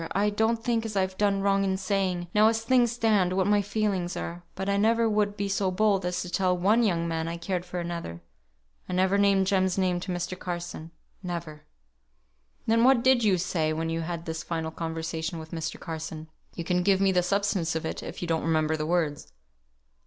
I don't think as I've done wrong in saying, now as things stand, what my feelings are; but I never would be so bold as to tell one young man I cared for another. I never named Jem's name to Mr. Carson. Never." "Then what did you say when you had this final conversation with Mr. Carson? You can give me the substance of it, if you don't remember the words."